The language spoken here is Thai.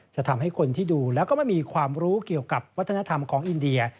จะทำให้คนที่ดูแล้วก็ไม่มีความรู้เกี่ยวกับวัฒนธรรมของอินเดีย